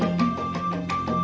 baru mau nambah